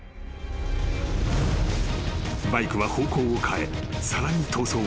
［バイクは方向を変えさらに逃走を図る］